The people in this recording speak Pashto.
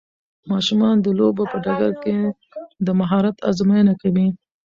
ماشومان د لوبو په ډګر کې د مهارت ازموینه کوي.